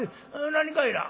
「何かいな？」。